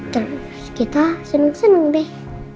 terus kita seneng seneng deh